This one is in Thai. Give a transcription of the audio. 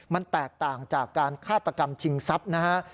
มันแตกต่างจากการฆาตกรรมชิงทรัพย์นะฮะ